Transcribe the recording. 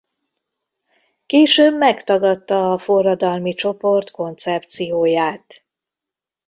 Később megtagadta a forradalmi csoport koncepcióját.